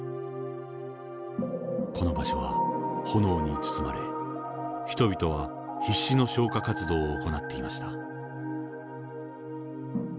この場所は炎に包まれ人々は必死の消火活動を行っていました。